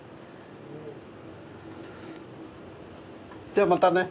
じゃあまたね。